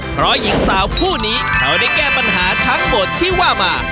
เพราะหญิงสาวผู้นี้เขาได้แก้ปัญหาทั้งหมดที่ว่ามา